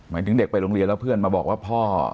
หมายถึงเด็กไปโรงเรียนแล้วเพื่อนมาบอกว่าพ่อ